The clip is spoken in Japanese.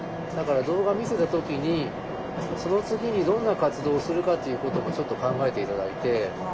だから動画見せた時にその次にどんな活動をするかということもちょっと考えて頂いて。